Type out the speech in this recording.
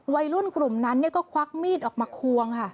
วัยรุ่นกลุ่มนั้นก็ควักมีดออกมาควงค่ะ